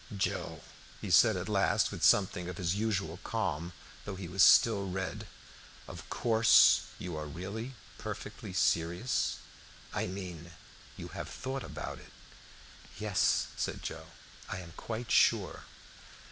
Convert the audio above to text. "Joe," he said at last, with something of his usual calm, though he was still red, "of course you are really perfectly serious? I mean, you have thought about it?" "Yes," said Joe; "I am quite sure."